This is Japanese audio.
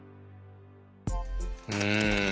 うん。